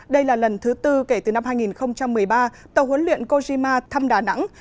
đây là lần thứ tư kể từ năm hai nghìn một mươi ba tàu huấn luyện kojima thăm đà nẵng